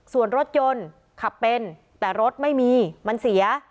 ส่วนรถยนต์ขับเป็นแต่รถไม่มีมันเสีย